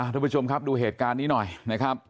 ทุกผู้ชมครับดูเหตุการณ์นี้หน่อยนะครับ